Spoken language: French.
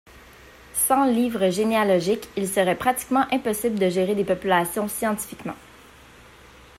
Sans livres généalogiques, il serait pratiquement impossible de gérer des populations scientifiquement.